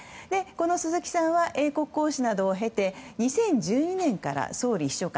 鈴木さんは英国公使などを経て２０１２年から総理秘書官。